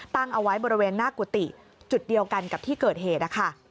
ตั้งเอาไว้บริเวณหน้ากุฏิจุดเดียวกันกับที่เกิดเหตุนะคะ